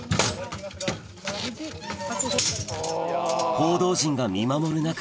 報道陣が見守る中